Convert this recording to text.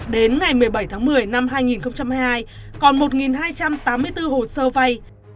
đến ngày một mươi bảy tháng một mươi năm hai nghìn hai mươi hai còn một hai trăm tám mươi bốn hồ sơ vay